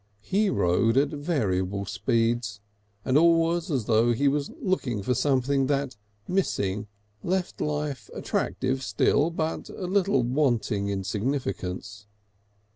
He rode at variable speeds, and always as though he was looking for something that, missing, left life attractive still, but a little wanting in significance.